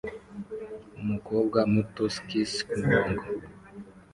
Umukobwa muto skis kumurongo